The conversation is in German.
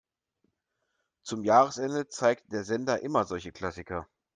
Zum Jahresende zeigt der Sender immer solche Klassiker.